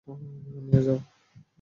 নিয়া, যাও।